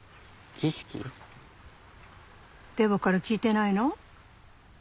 デボから聞いてないの？